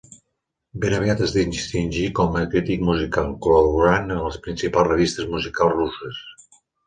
Ben aviat es distingí com a crític musical, col·laborant en les principals revistes musicals russes.